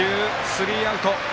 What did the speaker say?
スリーアウト。